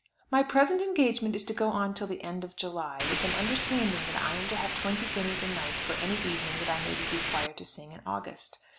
My present engagement is to go on till the end of July, with an understanding that I am to have twenty guineas a night, for any evening that I may be required to sing in August.